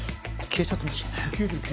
消えちゃってましたね。